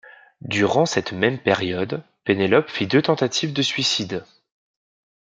Durant cette même période, Pénélope fit deux tentatives de suicide.